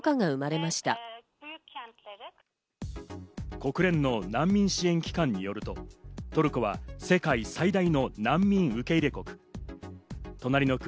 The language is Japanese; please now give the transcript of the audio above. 国連の難民支援機関によると、トルコは世界最大の難民受け入れ国。